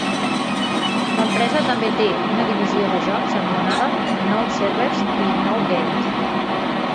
L'empresa també té una divisió de jocs anomenada "Now Servers" i "Now Games".